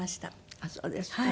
あっそうですか。